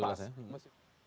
tidak bisa dilepas